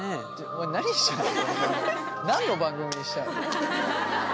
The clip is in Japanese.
何の番組にしたいの？